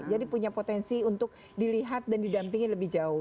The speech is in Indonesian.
jadi punya potensi untuk dilihat dan didampingin lebih jauh